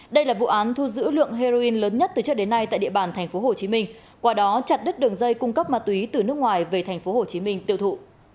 đây là vụ án thu giữ lượng heroin lớn nhất từ trước đến nay tại địa bàn tp hcm qua đó chặt đứt đường dây cung cấp ma túy từ nước ngoài về tp hcm tiêu thụ